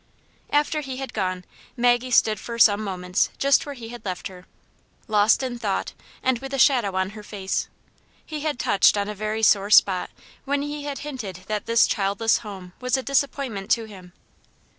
After he had gone, Maggie stood for some moments just where he had left her, lost in thought, and with a shadow on her face. He had touched on a very sore spot when he had hinted that this childless home was a disappointment to him.